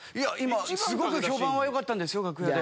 すごく評判はよかったんですよ楽屋で。